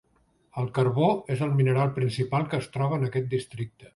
El carbó és el mineral principal que es troba en aquest districte.